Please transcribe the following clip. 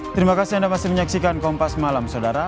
terima kasih anda masih menyaksikan kompas malam saudara